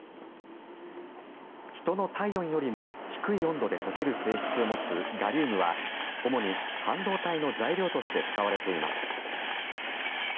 人の体温よりも低い温度で溶ける性質を持つガリウムは主に半導体の材料として使われています。